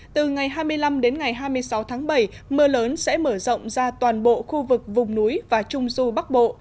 từ ngày hai mươi năm đến ngày hai mươi sáu tháng bảy mưa lớn sẽ mở rộng ra toàn bộ khu vực vùng núi và trung du bắc bộ